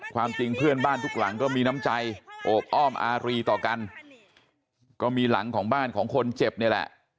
ความจริงเพื่อนบ้านทุกหลังก็มีน้ำใจโอบอ้อมอารีต่อกันก็มีหลังของบ้านของคนเจ็บนี่แหละ